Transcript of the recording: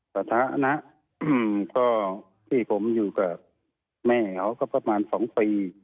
สถานะก็ที่ผมอยู่กับแม่เขาก็ประมาณ๒ปี